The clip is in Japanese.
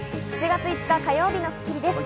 ７月５日、火曜日の『スッキリ』です。